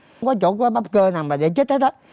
không có chỗ có bắp cơ nào để chích hết á